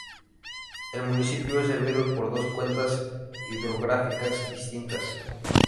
El municipio es servido por dos cuencas hidrográficas distintas.